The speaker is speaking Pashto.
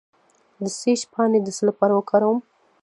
د سیج پاڼې د څه لپاره وکاروم؟